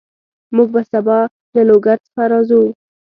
موږ به سبا له لوګر څخه راځو